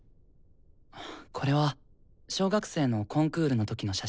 これは小学生のコンクールの時の写真？